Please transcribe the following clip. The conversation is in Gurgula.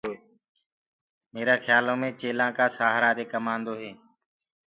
ميرآ کيآلو مي چيلآن ڪآ سهآرآ دي ڪمآندوئي